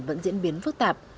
vẫn diễn biến phức tạp